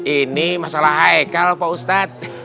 ini masalah haikal pak ustadz